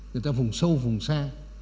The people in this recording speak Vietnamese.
người ta vùng sâu vùng xa